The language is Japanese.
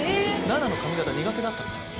ナナの髪形苦手だったんですか。